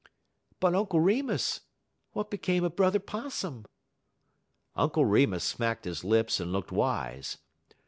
"But, Uncle Remus, what became of Brother 'Possum?" Uncle Remus smacked his lips and looked wise.